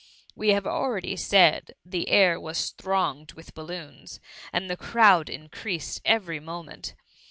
We have already said the air was thronged with balloons, and the crowd in creased every moment.